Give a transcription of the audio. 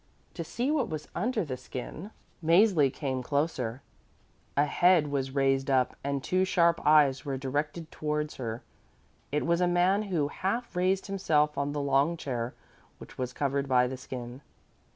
To see what was under the skin Mäzli came closer. A head was raised up and two sharp eyes were directed towards her. It was a man who had half raised himself on the long chair which was covered by the skin.